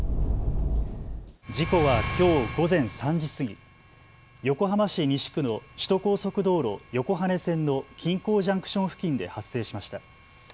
事故はきょう午前３時過ぎ、横浜市西区の首都高速道路横羽線の金港ジャンクション付近で発生しました。